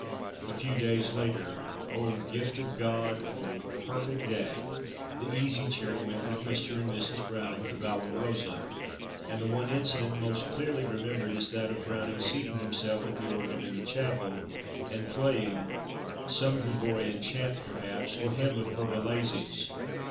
A few days later "O gift of God! O perfect day!" the Easy Chair went with Mr. and Mrs. Browning to Vallombrosa, and the one incident most clearly remembered is that of Browning's seating himself at the organ in the chapel, and playing some Gregorian chant, perhaps, or hymn of Pergolesi's.